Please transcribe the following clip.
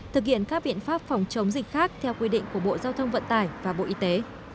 thực hiện các biện pháp phòng chống dịch khác theo quy định của bộ giao thông vận tải và bộ y tế